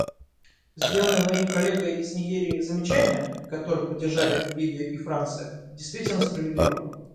Сделанное моим коллегой из Нигерии замечание, которое поддержали Бельгия и Франция, действительно справедливо.